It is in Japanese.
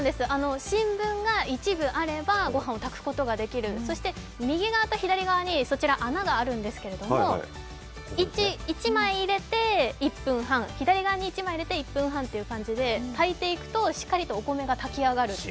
新聞が１部あれば、ご飯を炊くことができる、そして右側と左側にそちら、穴があるんですけれども、右側に１枚入れて１分半左側に１枚入れて１分半、炊いていくとしっかりとお米が炊き上がるという。